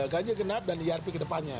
ganjil genap dan irp ke depannya